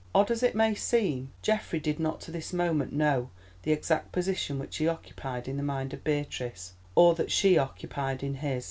Odd as it may seem, Geoffrey did not to this moment know the exact position which he occupied in the mind of Beatrice, or that she occupied in his.